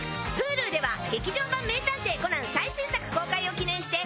Ｈｕｌｕでは劇場版『名探偵コナン』最新作公開を記念して。